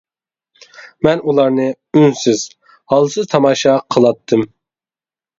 مەن ئۇلارنى ئۈنسىز، ھالسىز تاماشا قىلاتتىم.